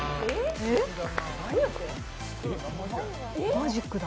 マジックだ。